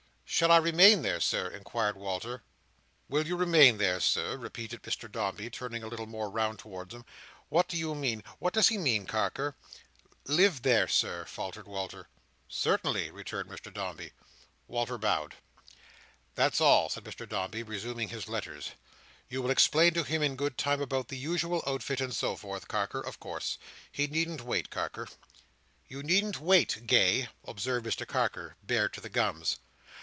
"Shall I remain there, Sir?" inquired Walter. "Will you remain there, Sir!" repeated Mr Dombey, turning a little more round towards him. "What do you mean? What does he mean, Carker?" "Live there, Sir," faltered Walter. "Certainly," returned Mr Dombey. Walter bowed. "That's all," said Mr Dombey, resuming his letters. "You will explain to him in good time about the usual outfit and so forth, Carker, of course. He needn't wait, Carker." "You needn't wait, Gay," observed Mr Carker: bare to the gums.